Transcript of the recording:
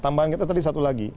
tambahan kita tadi satu lagi